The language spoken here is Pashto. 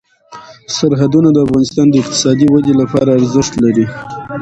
سرحدونه د افغانستان د اقتصادي ودې لپاره ارزښت لري.